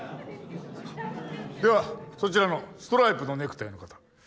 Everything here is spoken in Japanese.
ではそちらのストライプのネクタイの方。